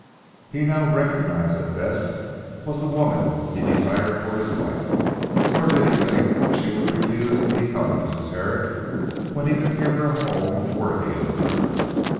He now recognised that Bess was the woman he desired for his wife. Nor did he think she would refuse to become Mrs. Herrick when he could give her a home worthy of her.